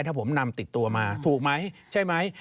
ถ้าผมนำติดตัวมาถูกไหมใช่ไหม